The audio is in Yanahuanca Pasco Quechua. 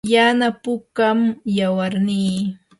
yana pukam yawarnii.